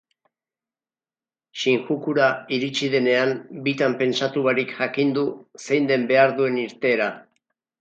Shinjukura iritsi denean bitan pentsatu barik jakin du zein den behar duen irteera.